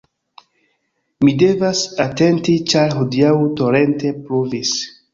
Mi devas atenti ĉar hodiaŭ torente pluvis